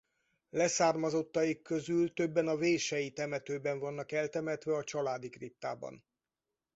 Leszármazottaik közül többen a vései temetőben vannak eltemetve a családi kriptában.